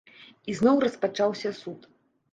І зноў распачаўся суд.